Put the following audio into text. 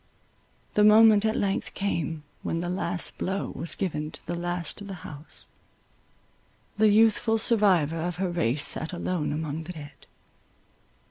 The moment at length came, when the last blow was given to the last of the house: the youthful survivor of her race sat alone among the dead.